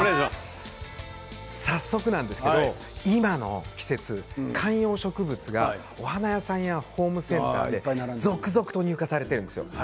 早速なんですけど今の季節、観葉植物がお花屋さんやホームセンターで続々と入荷されているんですよ。